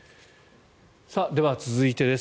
では、続いてです。